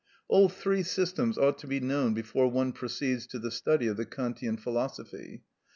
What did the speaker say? All three systems ought to be known before one proceeds to the study of the Kantian philosophy.